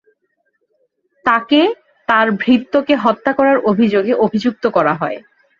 তাকে তার ভৃত্যকে হত্যা করার অভিযোগে অভিযুক্ত করা হয়।